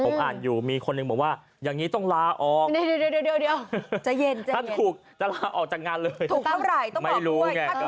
ไม่รู้ไงก็ไม่รู้